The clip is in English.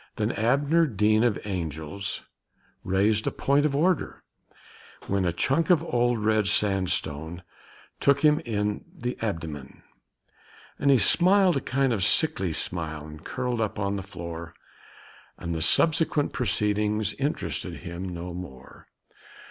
Then Abner Dean of Angel's raised a point of order when A chunk of old red sandstone took him in the abdomen, And he smiled a kind of sickly smile, and curled up on the floor, And the subsequent proceedings interested him no more.